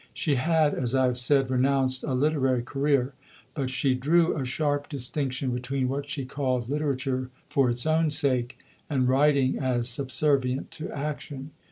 She had, as I have said, renounced a literary career; but she drew a sharp distinction between what she called literature for its own sake, and writing as subservient to action.